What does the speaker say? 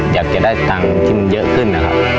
อยากจะได้ตังค์ที่มันเยอะขึ้นนะครับ